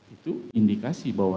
itu indikasi bahwa